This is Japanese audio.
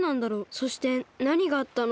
そしてなにがあったのか。